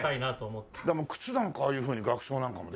でも靴なんかああいうふうに額装なんかもできる。